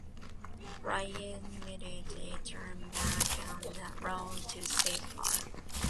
Raylan immediately turns back on the road to save her.